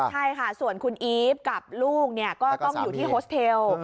ใช่ค่ะส่วนคุณอีฟกับลูกก็ต้องอยู่ที่โฮสเทล